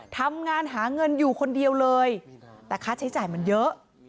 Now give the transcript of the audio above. ทำงานหาเงินอยู่คนเดียวเลยแต่ค่าใช้จ่ายมันเยอะ